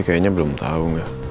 kayaknya belum tau